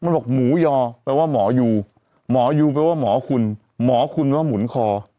มันบอกหมูยอแปลว่าหมอยูหมอยูแปลว่าหมอคุณหมอคุณว่าหมุนคอ